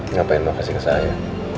ngapain makasih ke saya